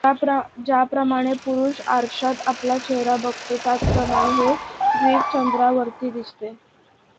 ज्याप्रमाणे पुरुष आरशात आपला चेहरा बघतो, त्याचप्रमाणे हे द्वीप चंद्रावरती दिसते.